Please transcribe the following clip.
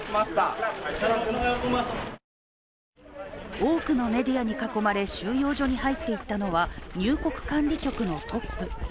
多くのメディアに囲まれ収容所に入っていったのは入国管理局のトップ。